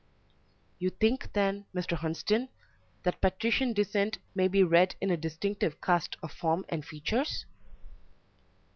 "You think, then, Mr. Hunsden, that patrician descent may be read in a distinctive cast of form and features?"